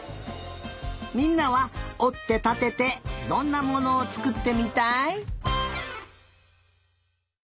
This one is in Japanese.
みんなはおってたててどんなものをつくってみたい？